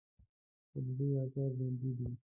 خو د دوی آثار ژوندي دي